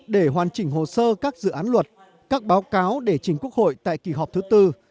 để hoàn chỉnh hồ sơ các dự án luật các báo cáo để chính quốc hội tại kỳ họp thứ tư